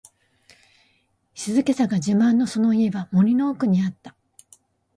静かさが自慢のその家は、森の奥にあった。